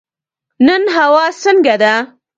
نن هوا څنګه ده؟